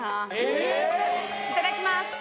えっいただきます